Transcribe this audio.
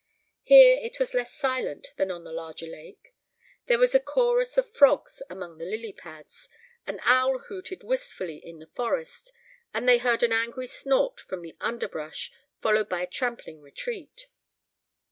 Here it was less silent than on the larger lake. There was a chorus of frogs among the lily pads, an owl hooted wistfully in the forest, and they heard an angry snort from the underbrush, followed by a trampling retreat.